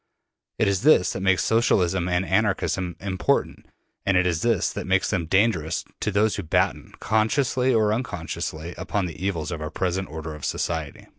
It is this that makes Socialism and Anarchism important, and it is this that makes them dangerous to those who batten, consciously or unconsciously upon the evils of our present order of society.